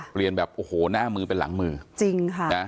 เปลี่ยนแบบโอ้โหหน้ามือเป็นหลังมือจริงค่ะนะ